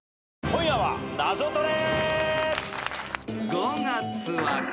『今夜はナゾトレ』